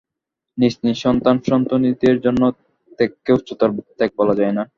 নিজ নিজ সন্তান-সন্ততির জন্য ত্যাগকে উচ্চতর ত্যাগ বলা যায় না।